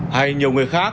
hay nhiều người khác